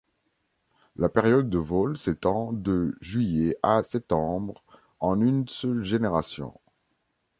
La période de vol s'étend de juillet à septembre en une seule génération.